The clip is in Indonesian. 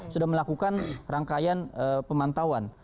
sudah melakukan rangkaian pemantauan